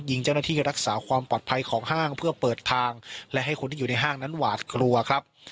ยิงเจ้าหน้าที่รักษาความปลอดภัยของห้างเพื่อเปิดทางและให้คนที่อยู่ในห้างนั้นหวาดกลัวครับ